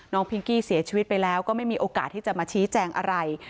พิงกี้เสียชีวิตไปแล้วก็ไม่มีโอกาสที่จะมาชี้แจงอะไร